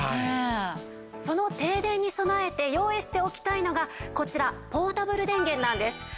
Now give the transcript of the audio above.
その停電に備えて用意しておきたいのがこちらポータブル電源なんです。